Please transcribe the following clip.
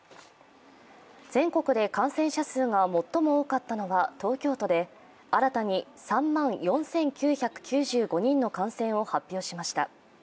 全国で感染者数が最も多かったのは東京都で新たに３万４９９５人の感染を発表しました。